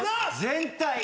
全体！